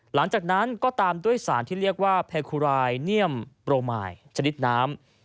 หลังจากนั้นก็ตามด้วยสารที่เรียกว่าแพคูรายเนียมโปรมายชนิดน้ำ